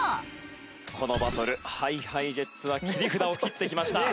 このバトルＨｉＨｉＪｅｔｓは切り札を切ってきました。